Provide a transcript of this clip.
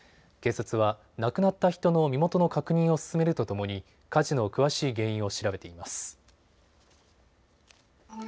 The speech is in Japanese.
警察は亡くなった人の身元の確認を進めるとともに火事の詳しい原因を調べています。